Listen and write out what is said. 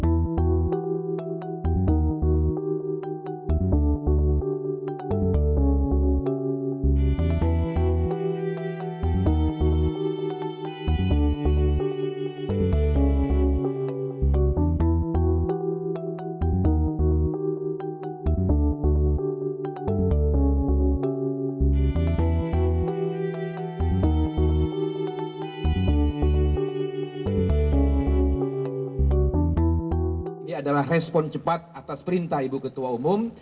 ini adalah respon cepat atas perintah ibu ketua umum